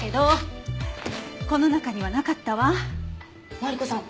マリコさん